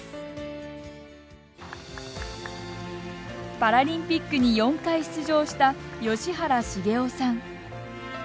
パラリンピックに４回出場した葭原滋男さん。